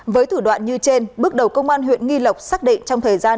với thủ đoạn như trên bước đầu công an huyện nghi lộc xác định trong thời gian